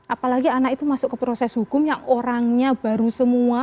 apalagi anak itu masuk ke proses hukum yang orangnya baru semua